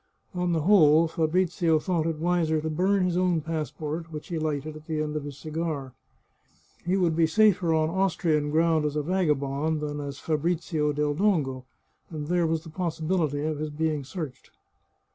On the whole, Fabrizio thought it wiser to burn his own pass port, which he lighted at the end of his cigar. He would be safer on Austrian ground as a vagabond than as Fa brizio del Dongo, and there was the possibility of his being searched.